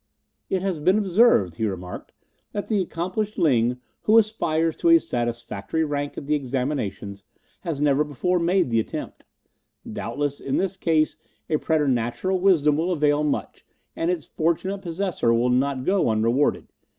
"It has been observed," he remarked, "that the accomplished Ling, who aspires to a satisfactory rank at the examinations, has never before made the attempt. Doubtless in this case a preternatural wisdom will avail much, and its fortunate possessor will not go unrewarded.